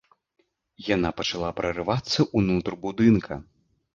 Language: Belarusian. Яна пачала прарывацца ўнутр будынка.